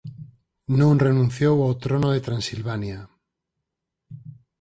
Non renunciou ó trono de Transilvania.